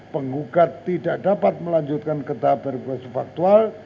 penggugat tidak dapat melanjutkan ke tahap berbasis faktual